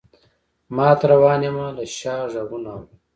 مات روان یمه له شا غــــــــږونه اورم